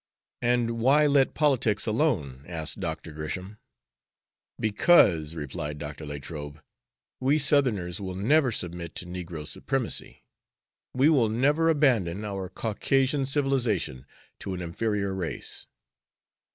"And why let politics alone?" asked Dr. Gresham. "Because," replied Dr. Latrobe, "we Southerners will never submit to negro supremacy. We will never abandon our Caucasian civilization to an inferior race."